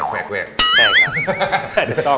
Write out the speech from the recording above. แขวะ